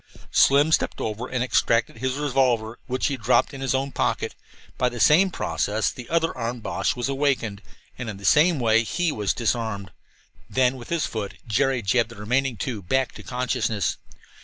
Slim stepped over and extracted his revolver, which he dropped into his own pocket. By the same process the other armed Boche was awakened, and in the same way he was disarmed. Then, with his foot, Jerry jabbed the remaining two back to consciousness.